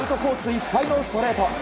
いっぱいのストレート。